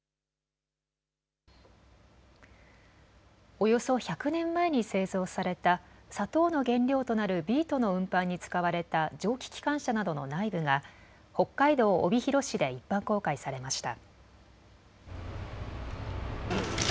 およそ１００年前に製造された砂糖の原料となるビートの運搬に使われた蒸気機関車などの内部が北海道帯広市で一般公開されました。